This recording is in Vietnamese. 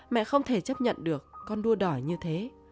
mẹ không thể chấp nhận được con đua đòi như thế